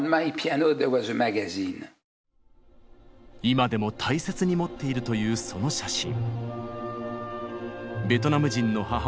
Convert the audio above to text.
今でも大切に持っているというその写真。